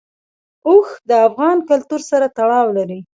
اوښ د افغان کلتور سره تړاو لري.